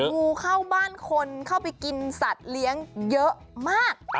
งูเข้าบ้านคนเข้าไปกินสัตว์เลี้ยงเยอะมาก